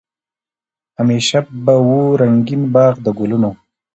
همېشه به وو رنګین باغ د ګلونو